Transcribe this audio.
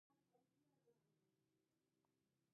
پــاچــاخــان د وفــات کـېـدو اته درېرشم تـلـيـن.